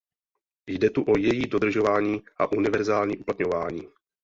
Jde tu o její dodržování a univerzální uplatňování.